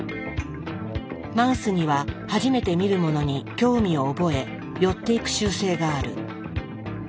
マウスには初めて見るものに興味を覚え寄っていく習性がある。